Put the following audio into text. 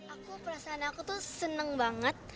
aku perasaan aku tuh seneng banget